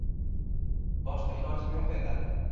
Boshqa ilojim yo’q edi.